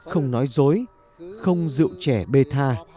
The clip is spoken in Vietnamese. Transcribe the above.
không nói dối không dự trẻ bê tha